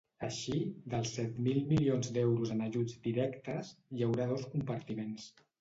Així, dels set mil milions d’euros en ajuts directes, hi haurà dos compartiments.